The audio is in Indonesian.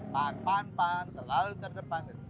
pan pan selalu terdepan